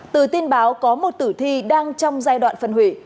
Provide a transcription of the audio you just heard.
từ tin báo có một tử thi đang trong giai đoạn phân hủy